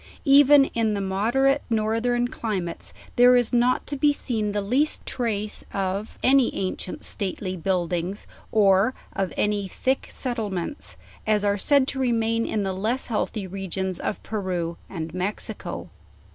Even in the mod erate northern climates there is not to be seen the least trace of any ancient stately buildings, or of any thick settlements, as are said to remain in the less healthy regions of Peru and Mexico.